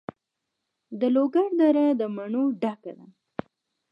د لوګر دره د مڼو ډکه ده.